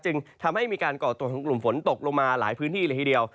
จึงทำให้มีการก่อตัวของกลุ่มฝนตกลงมาหลายพื้นที่เลยทีเดียว